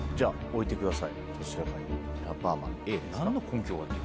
置いてください。